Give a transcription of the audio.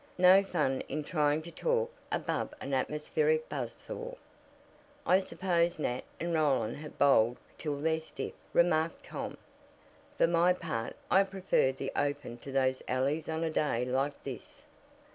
No fun in trying to talk above an atmospheric buzz saw." "I suppose Nat and Roland have bowled till they're stiff," remarked Tom. "For my part, I prefer the open to those alleys on a day like this."